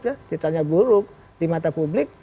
ceritanya buruk di mata publik